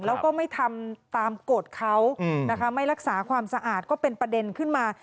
แล้วก็ไม่ทำตามกฎเขานะคะไม่รักษาความสะอาดก็เป็นประเด็นขึ้นมา